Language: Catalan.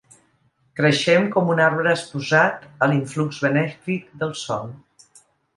Creixem com un arbre exposat a l'influx benèfic del sol.